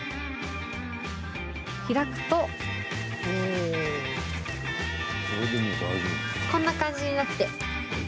開くとこんな感じになって。